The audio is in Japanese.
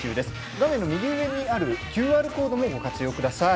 画面の右上にあるＱＲコードもご活用ください。